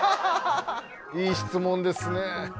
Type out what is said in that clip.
いい質問ですね。